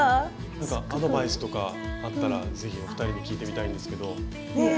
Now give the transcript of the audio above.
なんかアドバイスとかあったらぜひお二人に聞いてみたいんですけど。